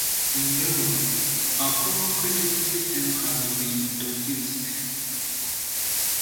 In Europe, a common credit system has been introduced.